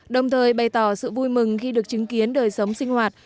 đồng thời bày tỏ sự vui mừng khi được chứng kiến đời sống sinh hoạt